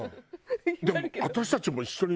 でも私たちも一緒に。